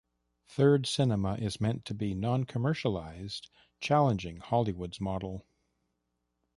Third Cinema is meant to be non-commercialized, challenging Hollywood's model.